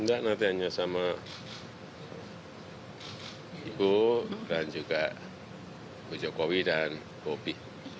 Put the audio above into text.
enggak nanti hanya sama ibu dan juga bu jokowi dan bobi